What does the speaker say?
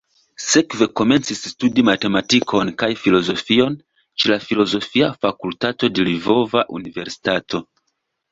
Sekve komencis studi matematikon kaj filozofion ĉe la Filozofia Fakultato de Lvova Universitato.